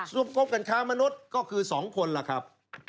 พบกันค้ามนุษย์ก็คือ๒คนล่ะครับ